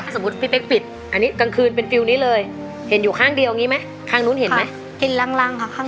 สมมุติพี่เป๊กปิดอันนี้กลางคืนเป็นฟิลล์นี้เลยเห็นอยู่ข้างเดียวอย่างนี้ไหมข้างนู้นเห็นไหมกินล่างค่ะข้าง